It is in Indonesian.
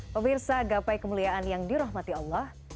pemirsa gapai kemuliaan yang dirahmati allah